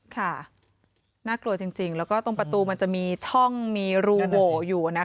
ค่ะน่ากลัวจริงแล้วก็ตรงประตูมันจะมีช่องมีรูโหวอยู่นะคะ